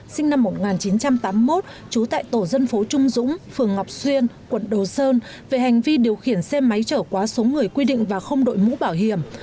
sinh năm một nghìn chín trăm tám mươi một trú tại tổ dân phố trung dũng phường ngọc xuyên quận đồ sơn về hành vi điều khiển xe máy trở quá số người quy định và không đội mũ bảo hiểm